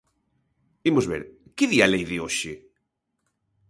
Imos ver, ¿que di a lei de hoxe?